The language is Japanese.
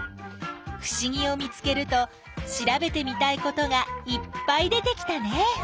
ふしぎを見つけると調べてみたいことがいっぱい出てきたね。